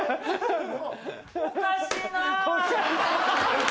おかしいな。